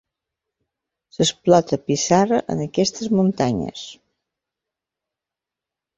S'explota pissarra en aquestes muntanyes.